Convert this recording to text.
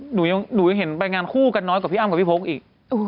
หนูยังเห็นไปงานคู่กันน้อยกว่าพี่อ้ำกับพี่พกอีก